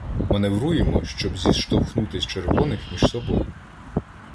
Маневруємо, щоб зіштовхнути червоних між собою.